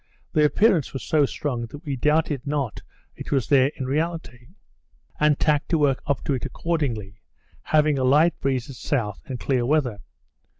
The appearance was so strong that we doubted not it was there in reality, and tacked to work up to it accordingly; having a light breeze at south, and clear weather.